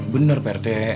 bener pak rt